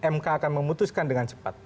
mk akan memutuskan dengan cepat